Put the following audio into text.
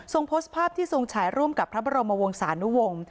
โพสต์ภาพที่ทรงฉายร่วมกับพระบรมวงศานุวงศ์